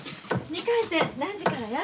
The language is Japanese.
２回戦何時からや？